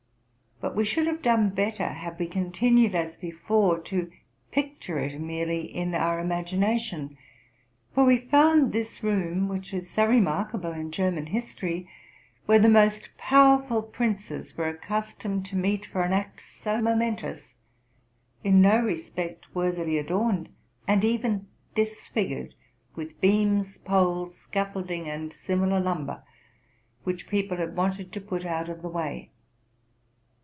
But we should have done better had we continued as before to pic ture it merely in our imagination; for we found this room, which is so remarkable in German history, where the most powerful princes were accustomed to meet for an act so momentous, in no respect worthily adorned, and even dis figured with beams, poles, scaffolding, and similar lumber, which people had wanted to put out of the way.